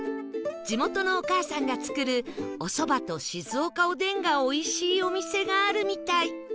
地元のお母さんが作るお蕎麦と静岡おでんがおいしいお店があるみたい